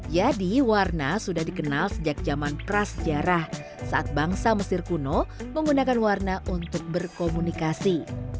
jadi warna sudah dikenal sejak zaman prasejarah saat bangsa mesir kuno menggunakan warna untuk berkomunikasi